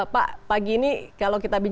pak pagi ini kalau kita bicara